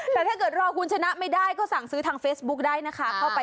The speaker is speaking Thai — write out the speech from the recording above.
แต่ถ้าเกิดรอคุณชนะไม่ได้ก็สั่งซื้อทางเฟซบุ๊คได้นะคะ